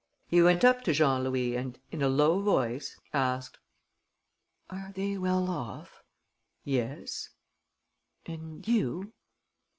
He went up to Jean Louis and, in a low voice, asked: "Are they well off?" "Yes." "And you?"